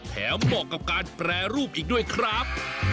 เหมาะกับการแปรรูปอีกด้วยครับ